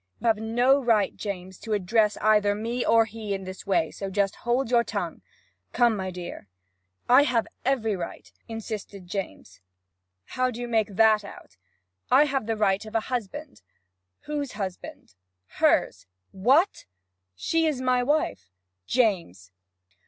'You have no right, James, to address either me or her in this way; so just hold your tongue. Come, my dear.' 'I have every right!' insisted James. 'How do you make that out?' 'I have the right of a husband.' 'Whose husband?' 'Hers.' 'What?' 'She's my wife.' 'James!'